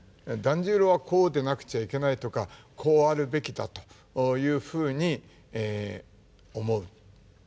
團十郎はこうでなくちゃいけないとかこうあるべきだというふうに思う。